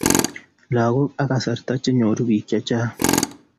langok ak kasarta chenyoru bik chechang